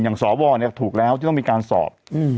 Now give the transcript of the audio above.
สวเนี่ยถูกแล้วที่ต้องมีการสอบ